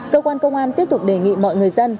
cơ quan công an tiếp tục đề nghị mọi người dân